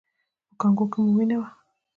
په کانګو کې مو وینه وه؟